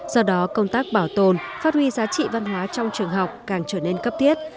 do đó công tác bảo tồn phát huy giá trị văn hóa trong trường học càng trở nên cấp thiết